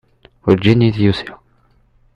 Werǧin i d-yusi.